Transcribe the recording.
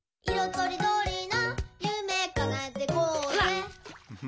とりどりなゆめかなえてこうぜ！」